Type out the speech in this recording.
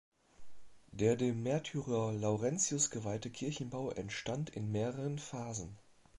Der dem Märtyrer Laurentius geweihte Kirchenbau entstand in mehreren Phasen.